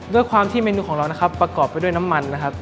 ด้วยความที่เมนูของเรานะครับประกอบไปด้วยน้ำมันนะครับ